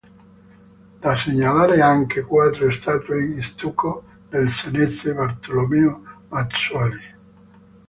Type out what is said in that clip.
Da segnalare anche quattro statue in stucco del senese Bartolomeo Mazzuoli.